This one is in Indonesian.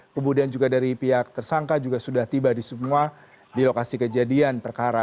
kemudian juga dari pihak tersangka juga sudah tiba di semua di lokasi kejadian perkara